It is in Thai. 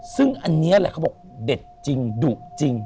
ซึ่งอันนี้แหละเขาบอกเด็ดจริงดุจริง